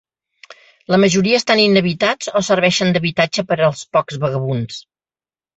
La majoria estan inhabitats o serveixen d'habitatge per als pocs vagabunds.